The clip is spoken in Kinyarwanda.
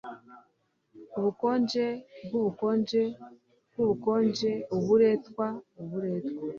Ubukonje bwubukonje bwubukonje thraldom uburetwa uburetwa